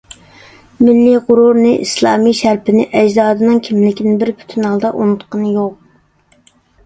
مىللىي غورۇرىنى، ئىسلامىي شەرىپىنى، ئەجدادىنىڭ كىملىكىنى بىر پۈتۈن ھالدا ئۇنۇتقىنى يوق.